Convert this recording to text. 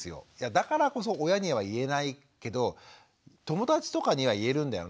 だからこそ親には言えないけど友達とかには言えるんだよなっていうことをね鈴木さん